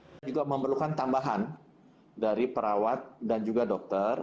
kita juga memerlukan tambahan dari perawat dan juga dokter